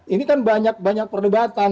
ini kan banyak banyak perdebatan